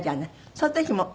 その時も。